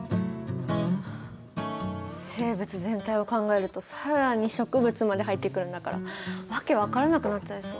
生物全体を考えると更に植物まで入ってくるんだから訳分からなくなっちゃいそう。